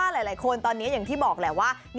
หลายคนตอนนี้อย่างที่บอกแหละว่า